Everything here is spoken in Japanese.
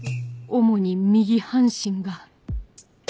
主に右半身が！